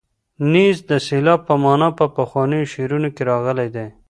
نیز د سیلاب په مانا په پخوانیو شعرونو کې راغلی دی.